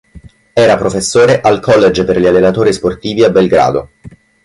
Era professore al college per gli allenatori sportivi a Belgrado.